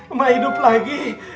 emak hidup lagi